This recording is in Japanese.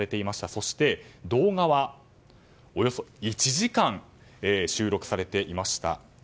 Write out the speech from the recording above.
そして動画はおよそ１時間収録されていました。